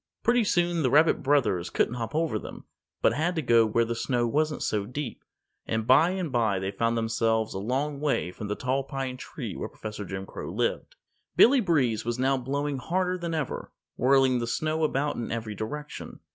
Pretty soon the rabbit brothers couldn't hop over them, but had to go where the snow wasn't so deep, and by and by they found themselves a long way from the Tall Pine Tree where Professor Jim Crow lived. Billy Breeze was now blowing harder than ever, whirling the snow about in every direction.